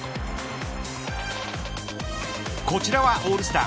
こちらはオールスター